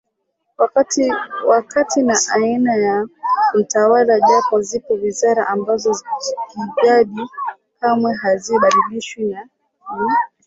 wakati na aina ya mtawala japo zipo wizara ambazo kijadi kamwe hazibadilishwi na ni